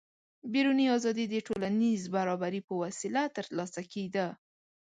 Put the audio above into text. بیروني ازادي د ټولنیز برابري په وسیله ترلاسه کېده.